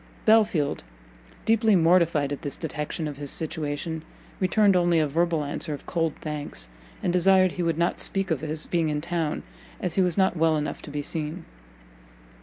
Belfield, deeply mortified at this detection of his situation, returned only a verbal answer of cold thanks, and desired he would not speak of his being in town, as he was not well enough to be seen.